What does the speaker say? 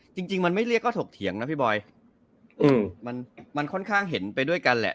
จริงจริงมันไม่เรียกก็ถกเถียงนะพี่บอยอืมมันมันค่อนข้างเห็นไปด้วยกันแหละ